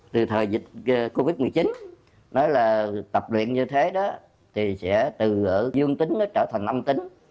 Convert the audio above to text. từ thời dịch covid một mươi chín nói là tập luyện như thế đó thì sẽ từ dương tính nó trở thành âm tính